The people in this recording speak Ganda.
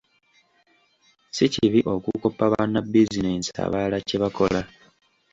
Si kibi okukoppa bannabizinensi abalala kye bakola.